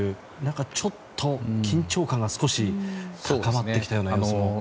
ちょっと緊張感が少し高まってきた様子も。